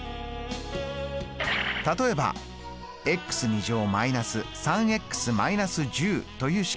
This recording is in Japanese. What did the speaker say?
例えば−３−１０という式。